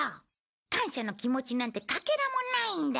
感謝の気持ちなんてかけらもないんだ。